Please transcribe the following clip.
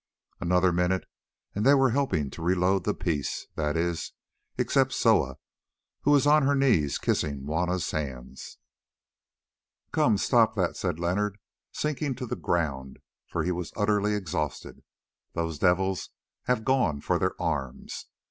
Another minute and they were helping to reload the piece, that is, except Soa, who was on her knees kissing Juanna's hands. "Come, stop that!" said Leonard, sinking to the ground, for he was utterly exhausted. "Those devils have gone for their arms.